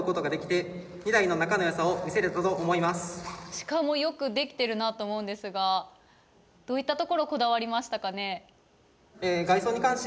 鹿もよくできてるなと思うんですがどういったところをこだわりましたかね。